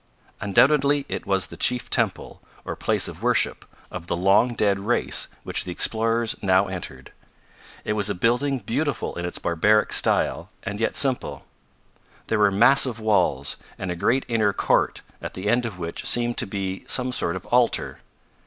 Undoubtedly it was the chief temple, or place of worship, of the long dead race which the explorers now entered. It was a building beautiful in its barbaric style, and yet simple. There were massive walls, and a great inner court, at the end of which seemed to be some sort of altar.